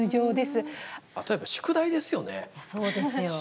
あとやっぱ宿題ですよね。